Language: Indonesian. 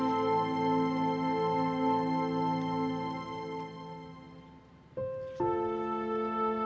bagaimana kamu harus ketuka aku